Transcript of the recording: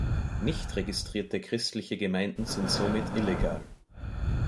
Nicht registrierte christliche Gemeinden sind somit illegal.